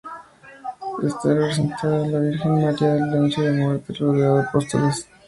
Está representada la Virgen María en su lecho de muerte, rodeada por los apóstoles.